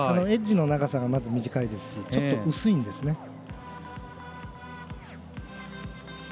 エッジの長さが短いですしちょっと薄いんですね。